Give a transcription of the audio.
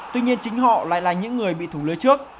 tuy nhiên chính họ lại là những người bị thủng lưới trước